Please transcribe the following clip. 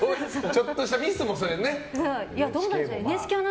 ちょっとしたミスもＮＨＫもね。